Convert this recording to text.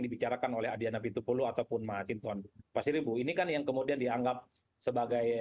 dicarakan oleh adhiana bintupulu ataupun mas hinton ini kan yang kemudian dianggap sebagai